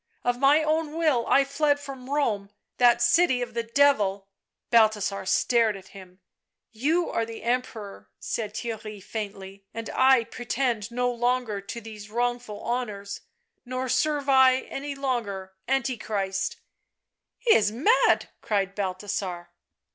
" Of my own will I fled from Rome, that city of the Devil !" Balthasar stared at him. " You are the Emperor," said Theirry faintly, " and I pretend no longer to these wrongful honours, nor serve I any longer Antichrist "" He is mad !" cried Balthasar.